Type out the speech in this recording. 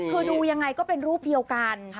คือดูยังไงก็เป็นรูปเดียวกัน